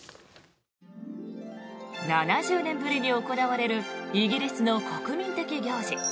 ７０年ぶりに行われるイギリスの国民的行事